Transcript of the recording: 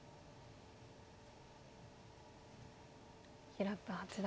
平田八段